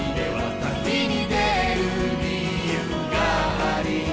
「旅に出る理由があり」